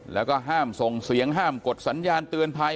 แล้วก็ห้ามส่งเสียงห้ามกดสัญญาณเตือนภัย